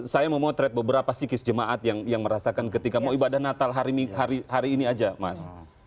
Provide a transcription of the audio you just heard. saya memotret beberapa psikis jemaat yang merasakan ketika mau ibadah natal hari ini aja mas